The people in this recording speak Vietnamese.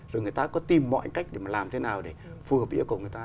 rồi người ta có tìm mọi cách để mà làm thế nào để phù hợp yêu cầu người ta